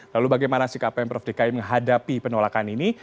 lalu bagaimana si kpm prof dki menghadapi penolakan ini